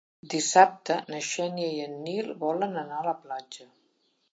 Dissabte na Xènia i en Nil volen anar a la platja.